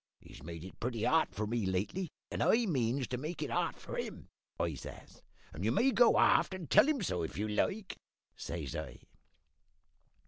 He's made it pretty hot for me lately, and I means to make it hot for him,' I says; `and you may go aft and tell him so if you like,' says I.